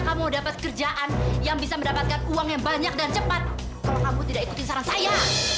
sampai jumpa di video selanjutnya